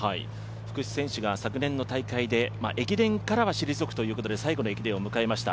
福士選手が昨年の大会で駅伝からは退くということで最後の駅伝を迎えました。